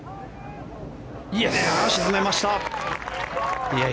沈めました。